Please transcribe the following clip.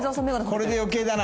これで余計だな。